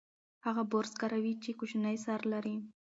هغه برس کاروي چې کوچنی سر لري.